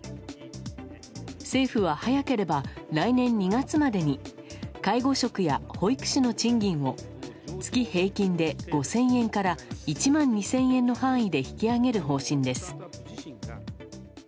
政府は早ければ来年２月までに介護職や保育士の賃金を月平均で５０００円から１万２０００円の範囲で引き上げる方針です。